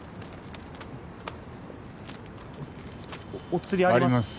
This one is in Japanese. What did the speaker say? おお釣りあります？